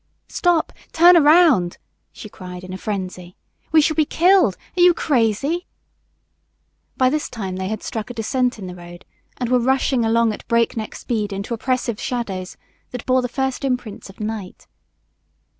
"Stop! Turn around!" she cried in a frenzy. "We shall be killed! Are you crazy?" By this time they had struck a descent in the road and were rushing along at breakneck speed into oppressive shadows that bore the first imprints of night.